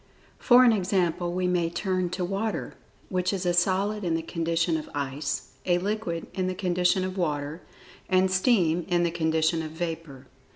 For an example we may turn to Water, which is a solid in the condition of ice; a liquid in the condition of water; and steam in the condition of vapor.